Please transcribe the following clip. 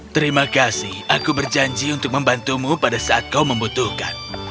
terima kasih aku berjanji untuk membantumu pada saat kau membutuhkan